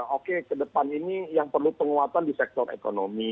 oke ke depan ini yang perlu penguatan di sektor ekonomi